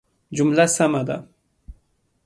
جمله سمه ده